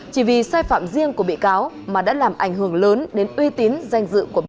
chỉ vì sai phạm riêng của bị cáo mà đã làm ảnh hưởng lớn đến uy tín danh dự của bà